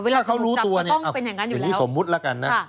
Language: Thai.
ถ้าเขารู้ตัวนี่อย่างนี้สมมุติแล้วกันนะอ่าเวลาจะบุกจับก็ต้องเป็นอย่างนั้นอยู่แล้ว